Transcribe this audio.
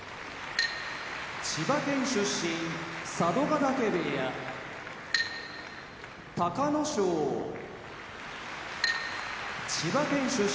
千葉県出身佐渡ヶ嶽部屋隆の勝千葉県出身